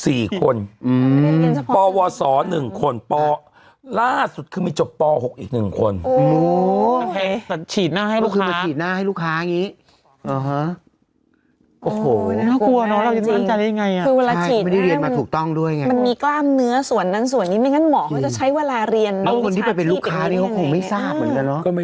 สี่คนอืมปวศหนึ่งคนปล่าสุดคือมีจบปหกอีกหนึ่งคนโอ้โห